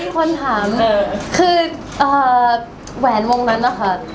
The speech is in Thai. คนถามคืออ่าเวียนวงดั้นนะคะ